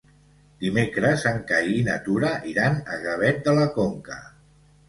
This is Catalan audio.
Dimecres en Cai i na Tura iran a Gavet de la Conca.